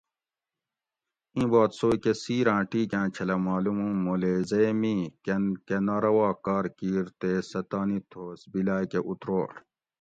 ایں بات سوئ کہ سیراۤں ٹیکاۤں چھلہ مالوم اُوں مولیزے می کن کہ ناروا کار کیر تے سہ تانی تھوس بیلۤا کہ اتروڑ